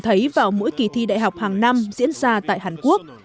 thấy vào mỗi kỳ thi đại học hàng năm diễn ra tại hàn quốc